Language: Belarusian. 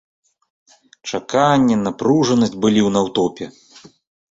Чаканне, напружанасць былі ў натоўпе.